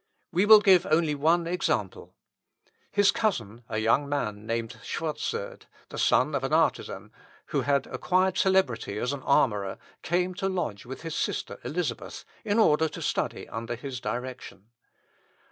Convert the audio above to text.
We will give only one example. His cousin, a young man named Schwarzerd, son of an artisan, who had acquired celebrity as an armourer, came to lodge with his sister, Elizabeth, in order to study under his direction.